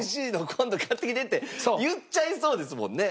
今度買ってきて」って言っちゃいそうですもんね。